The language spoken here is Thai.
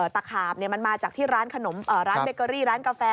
ตะขาบมันมาจากที่ร้านขนมร้านเบเกอรี่ร้านกาแฟ